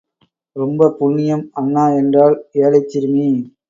ரொம்பப் புண்ணியம், அண்ணா என்றாள் ஏழைச்சிறுமி.